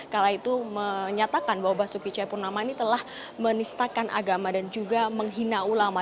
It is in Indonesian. kala itu menyatakan bahwa basuki cepurnama ini telah menistakan agama dan juga menghina ulama